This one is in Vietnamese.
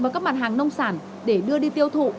và các mặt hàng nông sản để đưa đi tiêu thụ